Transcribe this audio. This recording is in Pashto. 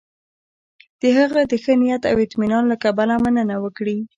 د هغه د ښه نیت او اطمینان له کبله مننه وکړي.